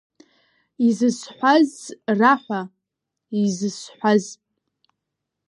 Изысҳәаз раҳәа, изысҳәаз…